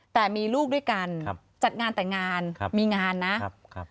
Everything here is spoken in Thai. แต่มีลูกด้วยกันจัดงานแต่งานมีงานนะ